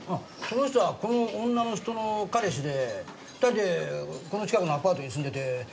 その人はこの女の人の彼氏で２人でこの近くのアパートに住んでて。